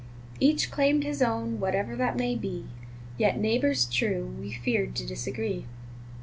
Each claimed his own, whatever that may be, Yet, neighbors true, we feared to disagree.